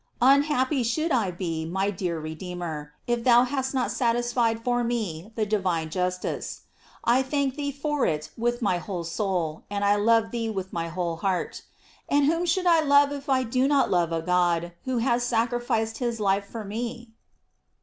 Unhappy should I be, my dear Redeemer, if thou hadst not satisfied for me the divine justice. I thank thee for it with my whole soul, and I love thee with my whole heart. And whom should I love if I do not love a God who has sacrificed his life for me